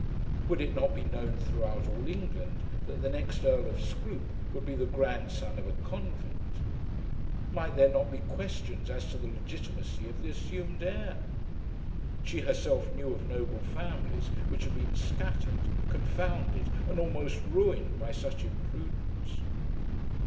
Would it not be known throughout all England that the next Earl of Scroope would be the grandson of a convict? Might there not be questions as to the legitimacy of the assumed heir? She herself knew of noble families which had been scattered, confounded, and almost ruined by such imprudence.